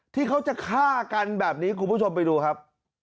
ที่เขาจะฆ่ากันแบบนี้คุณผู้ชมไปดูครับ